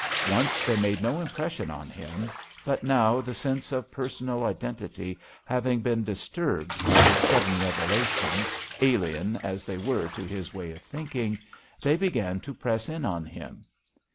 Once they made no impression on him, but now the sense of personal identity having been disturbed by this sudden revelation, alien as they were to his way of thinking, they began to press in on him.